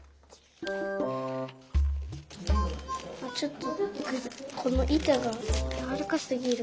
ちょっとこのいたがやわらかすぎる。